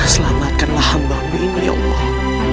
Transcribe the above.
selamatkanlah hamba ku ini ya allah